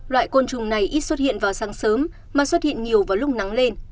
loại côn trùng này ít xuất hiện vào sáng sớm mà xuất hiện nhiều vào lúc nắng lên